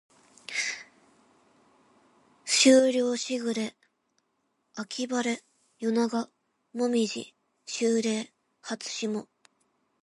秋涼秋雨秋晴夜長紅葉秋麗初霜